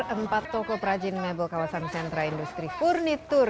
empat toko prajin mebel kawasan sentra industri furnitur